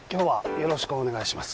よろしくお願いします